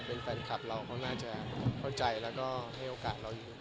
เป็นแฟนคลับเราก็น่าจะเข้าใจแล้วก็ให้โอกาสเราอยู่